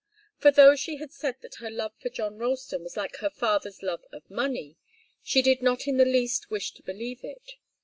For though she had said that her love for John Ralston was like her father's love of money, she did not in the least wish to believe it.